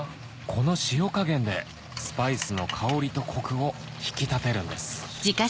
この塩加減でスパイスの香りとコクを引き立てるんです